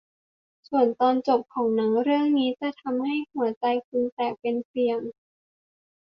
ส่วนตอนจบของหนังเรื่องนี้จะทำให้หัวใจของคุณแตกเป็นเสี่ยง